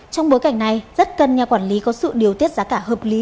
trong bối cảnh này rất cần nhà quản lý có sự điều tiết giá cả hợp lý